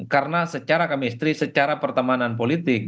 karena secara kemestri secara pertemanan politik